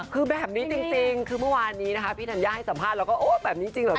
คือแบบนี้จริงคือเมื่อวานนี้พี่ธัญญาให้สัมภาษณ์เราก็แบบนี้จริงเหรอพี่